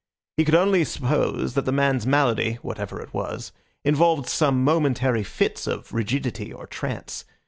He could only suppose that the man's malady (whatever it was) involved some momentary fits of rigidity or trance.